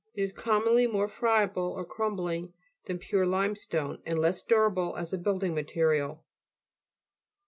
It is commonly more friable or crumbling than pure limestone, and less durable as a building material.